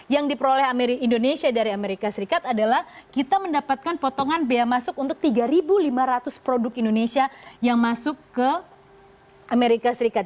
yang diperoleh indonesia dari amerika serikat adalah kita mendapatkan potongan biaya masuk untuk tiga lima ratus produk indonesia yang masuk ke amerika serikat